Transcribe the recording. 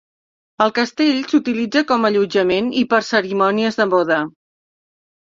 El castell s'utilitza com allotjament i per cerimònies de boda.